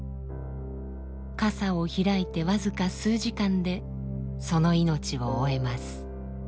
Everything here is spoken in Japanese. かさを開いて僅か数時間でその命を終えます。